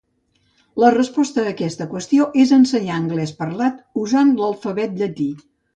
La resposta a aquesta qüestió és ensenyar anglès parlat usant l"alfabet llatí.